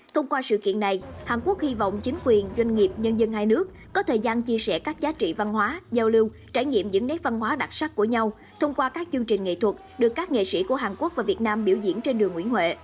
thông qua sự kiện này hàn quốc hy vọng chính quyền doanh nghiệp nhân dân hai nước có thời gian chia sẻ các giá trị văn hóa giao lưu trải nghiệm những nét văn hóa đặc sắc của nhau thông qua các chương trình nghệ thuật được các nghệ sĩ của hàn quốc và việt nam biểu diễn trên đường nguyễn huệ